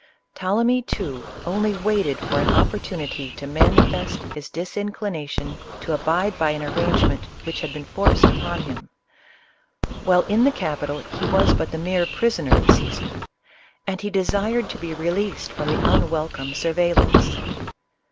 Ptolemy, too, only waited for an oppor tunity to manifest his disinclination to abide by an ar rangement which had been forced upon him. While in the capital, he was but the mere prisoner of Caesar, and he desired to be released from the unwelcome sur veillance.